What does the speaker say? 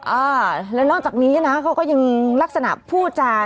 อ่าแล้วนอกจากนี้นะเขาก็ยังลักษณะพูดจา